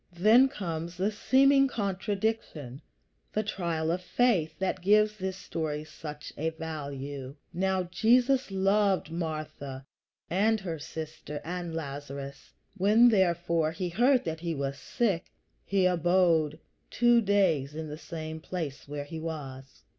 Then comes the seeming contradiction the trial of faith that gives this story such a value: "Now Jesus loved Martha and her sister and Lazarus. When, therefore, he heard that he was sick, he abode two days in the same place where he was."